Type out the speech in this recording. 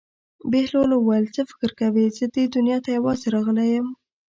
بهلول وویل: څه فکر کوې زه دې دنیا ته یوازې راغلی یم.